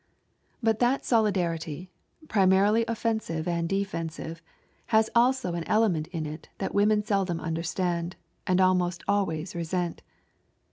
But that solidarity, primarily offensive and defensive, has also an element in it that women seldom understand, and almost always resent.